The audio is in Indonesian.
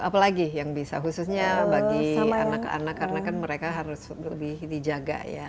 apalagi yang bisa khususnya bagi anak anak karena kan mereka harus lebih dijaga ya